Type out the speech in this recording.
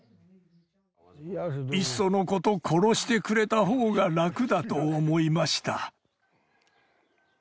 いっそのこと殺してくれたほうが楽だと思いました。